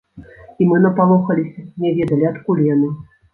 І мы напалохаліся, не ведалі, адкуль яны.